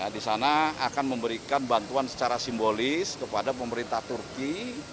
di sana akan memberikan bantuan secara simbolis kepada pemerintah turki